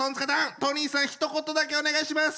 トニーさんひと言だけお願いします！